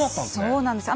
そうなんですよ。